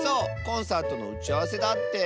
コンサートのうちあわせだって。